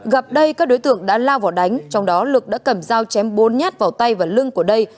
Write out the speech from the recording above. gặp đây các đối tượng đã lao vào đánh trong đó lực đã cầm dao chém bốn nhát vào tay và lưng của đây